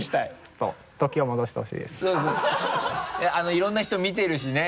いろんな人見てるしね。